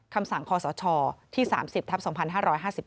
คำสั่งคศที่๓๐ทัพ๒๕๕๙